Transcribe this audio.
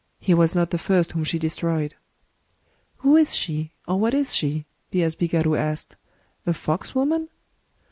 He was not the first whom she destroyed." " Who is she ?— or what is she ?" the asbi garu asked, — "a Fox Woman?"